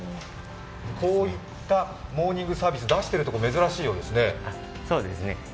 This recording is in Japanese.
こういったモーニングサービス、出しているところ珍しいようですね。